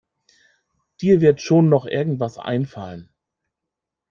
Dir wird schon noch irgendetwas einfallen.